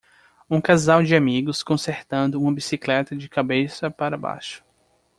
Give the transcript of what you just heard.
Um casal de amigos consertando uma bicicleta de cabeça para baixo.